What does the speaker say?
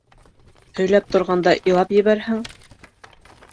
Һөйләп торғанда, илап ебәрһәң?